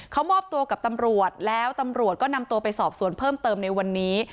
เขามอบตัวกับตำรวจแล้วตำรวจก็นำตัวไปสอบสวนเพิ่มเติมในวันนี้